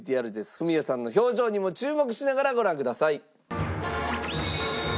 フミヤさんの表情にも注目しながらご覧ください。